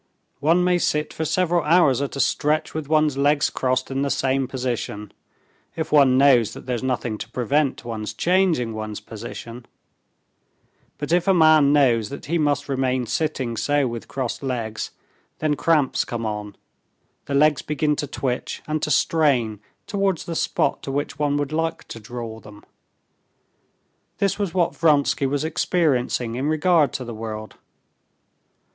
One may sit for several hours at a stretch with one's legs crossed in the same position, if one knows that there's nothing to prevent one's changing one's position; but if a man knows that he must remain sitting so with crossed legs, then cramps come on, the legs begin to twitch and to strain towards the spot to which one would like to draw them. This was what Vronsky was experiencing in regard to the world.